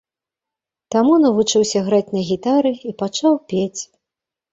Там навучыўся граць на гітары і пачаў пець.